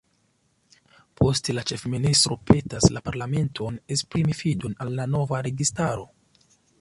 Poste la ĉefministro petas la parlamenton esprimi fidon al la nova registaro.